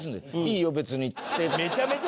「いいよ別に」っつって。